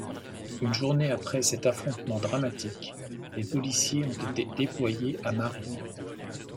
Une journée après cet affrontement dramatique, des policiers ont été déployés à Maré.